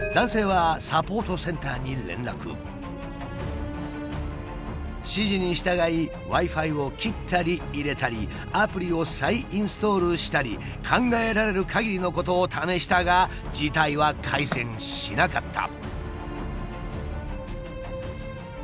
男性は指示に従いＷｉ−Ｆｉを切ったり入れたりアプリを再インストールしたり考えられるかぎりのことを試したが事態は改善しなかった。